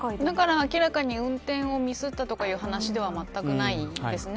明らかに運転をミスったという話ではまったくないですね。